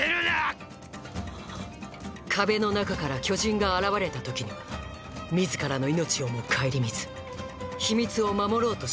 壁の中から巨人が現れた時には自らの命をも顧みず秘密を守ろうとします